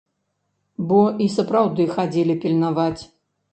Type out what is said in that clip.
Бо і сапраўды хадзілі пільнаваць.